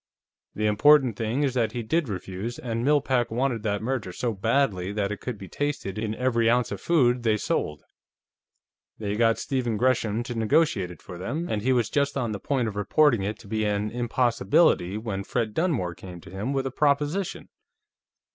"The important thing is that he did refuse, and Mill Pack wanted that merger so badly that it could be tasted in every ounce of food they sold. They got Stephen Gresham to negotiate it for them, and he was just on the point of reporting it to be an impossibility when Fred Dunmore came to him with a proposition.